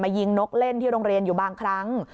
ยิงนกเล่นที่โรงเรียนอยู่บางครั้ง